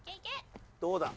どうだ？